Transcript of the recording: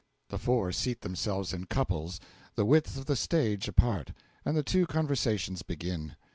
(The four seat themselves in couples, the width of the stage apart, and the two conversations begin.